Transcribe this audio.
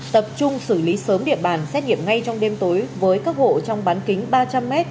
tập trung xử lý sớm địa bàn xét nghiệm ngay trong đêm tối với các hộ trong bán kính ba trăm linh m